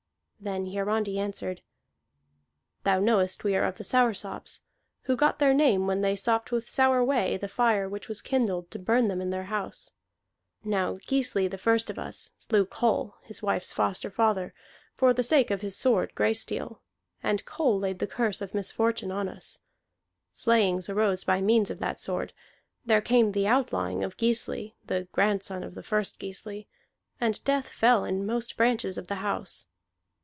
Then Hiarandi answered: "Thou knowest we are of the Soursops, who got their name when they sopped with sour whey the fire which was kindled to burn them in their house. Now Gisli, the first of us, slew Kol, his wife's foster father, for the sake of his sword Graysteel, and Kol laid the curse of misfortune on us. Slayings arose by means of that sword; there came the outlawing of Gisli, the grandson of the first Gisli, and death fell in most branches of the house.